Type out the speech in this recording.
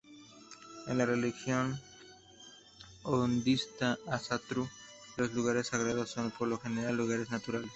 En la religión Odinista-Ásatrú, los lugares sagrados, son por lo general lugares naturales.